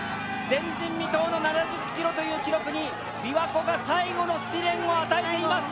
前人未到の７０ｋｍという記録に琵琶湖が最後の試練を与えています。